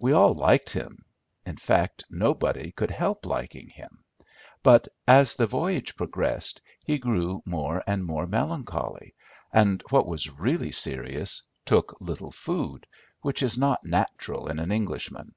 We all liked him, in fact, nobody could help liking him; but, as the voyage progressed, he grew more and more melancholy, and, what was really serious, took little food, which is not natural in an Englishman.